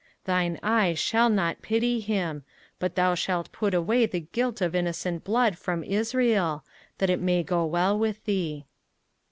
05:019:013 Thine eye shall not pity him, but thou shalt put away the guilt of innocent blood from Israel, that it may go well with thee.